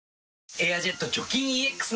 「エアジェット除菌ＥＸ」